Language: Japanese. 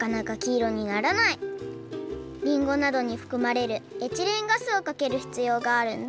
りんごなどにふくまれるエチレンガスをかけるひつようがあるんだ。